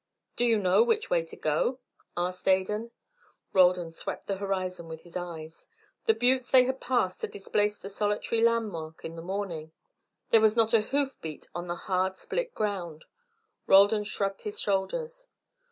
"Do you know which way to go?" asked Adan. Roldan swept the horizon with his eyes. The buttes they had passed had displaced the solitary landmark of the morning. There was not a hoof beat on the hard split ground. Roldan shrugged his shoulders.